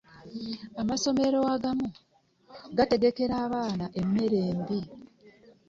Amasomero agamu gategekera abaana emmere embi